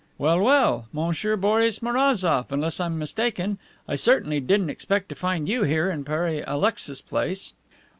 "Well, well, Monsieur Boris Mourazoff, unless I'm mistaken? I certainly didn't expect to find you here in Pere Alexis's place."